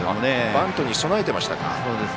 バントに備えていましたか。